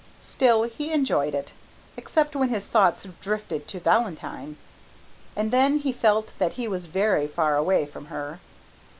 Still he enjoyed it except when his thoughts drifted to Valentine, and then he felt that he was very far away from her.